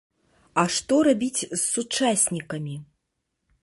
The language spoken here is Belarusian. А што рабіць з сучаснікамі?